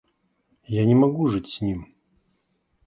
Я не могу жить с ним.